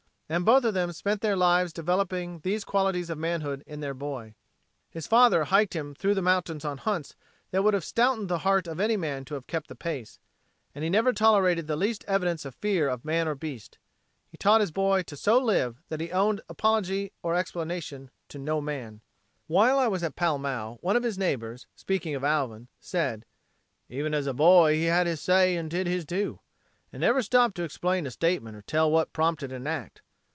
And both of them spent their lives developing these qualities of manhood in their boy. His father hiked him through the mountains on hunts that would have stoutened the heart of any man to have kept the pace. And he never tolerated the least evidence of fear of man or beast. He taught his boy to so live that he owed apology or explanation to no man. While I was at Pall Mall, one of his neighbors, speaking of Alvin, said: "Even as a boy he had his say and did his do, and never stopped to explain a statement or tell what prompted an act.